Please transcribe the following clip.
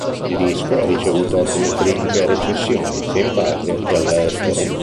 Il disco ha ricevuto ottime critiche e recensioni, sia in patria che all'estero.